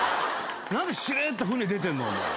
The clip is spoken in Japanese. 何でしれっと船出てんの。